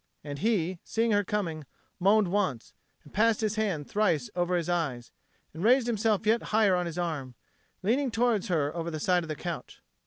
And he, seeing her coming, moaned once, and passed his hand thrice across his eyes, and raised himself yet higher on his arm, leaning towards her over the side of the couch.